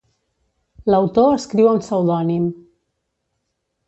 L'autor escriu amb pseudònim.